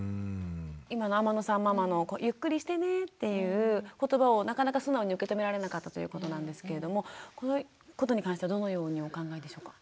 今の天野さんママの「ゆっくりしてね」っていう言葉をなかなか素直に受け止められなかったということなんですけれどもこのことに関してはどのようにお考えでしょうか？